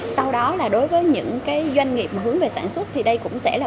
sau đó là đối với những doanh nghiệp hướng về sản xuất thì đây cũng sẽ là